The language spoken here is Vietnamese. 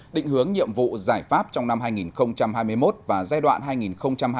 định hướng nhiệm vụ giải pháp trong năm hai nghìn hai mươi một và giai đoạn hai nghìn hai mươi một hai nghìn hai mươi năm